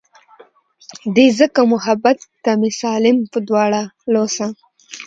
دے ځکه محبت ته مې سالم پۀ دواړه السه